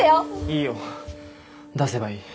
いいよ出せばいい。